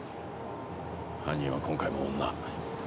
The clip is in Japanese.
犯人は今回も女。